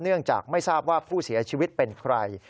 เนื่องจากไม่ทราบว่าผู้เสียชีวิตเป็นใคร